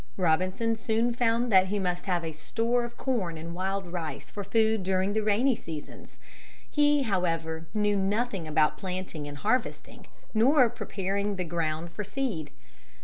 Robinson soon found that he must have a store of corn and wild rice for food during the rainy seasons. He, however, knew nothing about planting and harvesting, nor preparing the ground for seed.